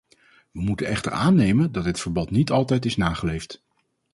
Wij moeten echter aannemen dat dit verbod niet altijd is nageleefd.